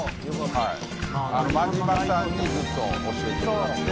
真島さんにずっと教えてもらって。